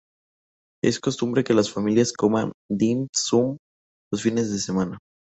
Es costumbre que las familias coman "dim sum" los fines de semana.